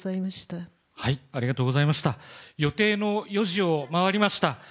予定の４時を回りました。